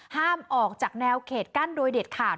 ห้ามออกจากแนวเขตกั้นโดยเด็ดขาด